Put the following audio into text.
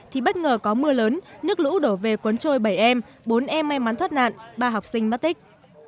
thì bất ngờ có mưa lớn nước lũ đổ về cuốn trôi bảy em bốn em may mắn thoát nạn ba học sinh mất tích